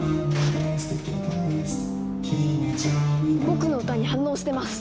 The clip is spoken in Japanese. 僕の歌に反応してます。